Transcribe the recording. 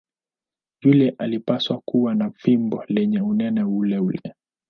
Yule alipaswa kuwa na fimbo lenye unene uleule.